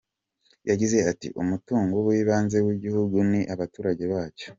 Yagize ati : "Umutungo w’ibanze w’igihugu ni abaturage bacyo.